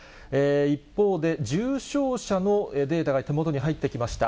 一方で、重症者のデータが手元に入ってきました。